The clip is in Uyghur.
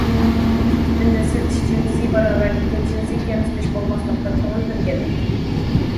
ئىپپىتىنى سېتىش جىنسىي باراۋەرلىككە، جىنسىي كەمسىتىش بولماسلىققا كۆڭۈل بۆلگەنلىك.